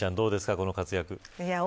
この活躍は。